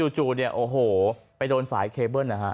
จู่เนี่ยโอ้โหไปโดนสายเคเบิ้ลนะฮะ